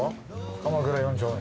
鎌倉４丁目。